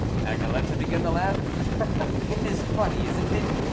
" Agnelette began to laugh. " It is funny, isn't it